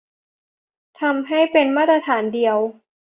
ทำให้เป็นมาตรฐานเดียว